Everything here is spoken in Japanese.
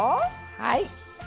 はい。